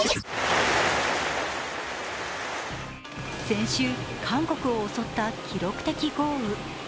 先週、韓国を襲った記録的豪雨。